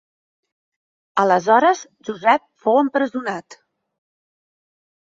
Aleshores Josep fou empresonat.